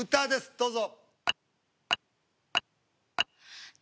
どうぞ。